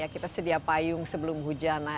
kita sedia payung sebelum hujan